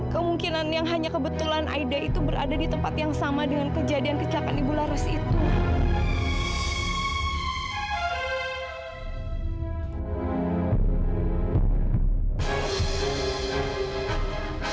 kemungkinan yang hanya kebetulan aida itu berada di tempat yang sama dengan kejadian kecelakaan ibu laras itu